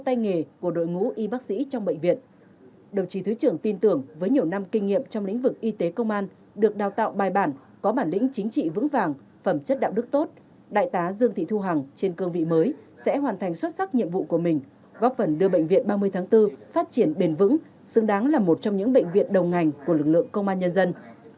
đại tá dương thị thu hằng nguyên phó cục y tế bộ công an được đào tạo bài bản có bản lĩnh chính trị vững vàng phẩm chất đạo đức tốt đại tá dương thị thu hằng trên cương vị mới sẽ hoàn thành xuất sắc nhiệm vụ của mình góp phần đưa bệnh viện ba mươi tháng bốn phát triển bền vững xứng đáng là một trong những bệnh viện đồng ngành của lực lượng công an nhân dân